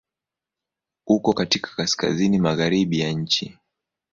Uko katika kaskazini-magharibi ya nchi.